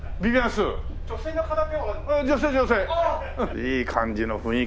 いい感じの雰囲気ですよ。